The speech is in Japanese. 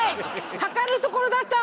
計られるところだった！